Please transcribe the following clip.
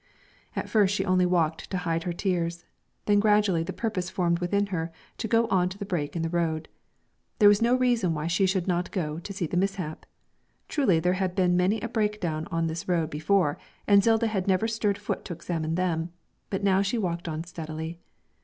At first she only walked to hide her tears; then gradually the purpose formed within her to go on to the break in the road. There was no reason why she should not go to see the mishap. Truly there had been many a breakdown on this road before and Zilda had never stirred foot to examine them, but now she walked on steadily.